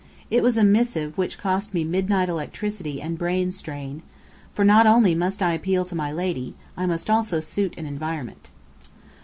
It was a missive which cost me midnight electricity and brain strain; for not only must I appeal to my lady, I must also suit an environment.